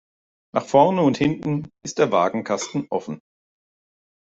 Nach vorne und hinten ist der Wagenkasten offen.